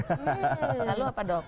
lalu apa dok